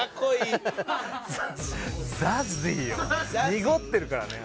濁ってるからね。